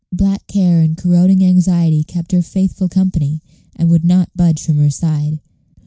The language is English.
Black care and corroding anxiety kept her faithful company, and would not budge from her side.